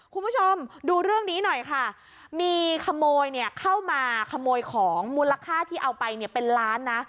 คุณผู้ชมดูเรื่องนี้หน่อยค่ะมีขโมยเนี่ยเข้ามาขโมยของมูลค่าที่เอาไปเนี่ยเป็นล้านนะ